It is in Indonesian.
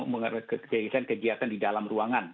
mengatakan kegiatan di dalam ruangan